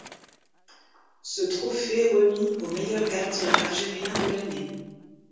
Ce trpophée remis au meilleur gardien algérien de l'année.